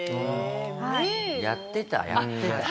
やってたやってた。